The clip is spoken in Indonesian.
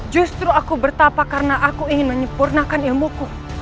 justru aku bertapa karena aku ingin menyempurnakan ilmuku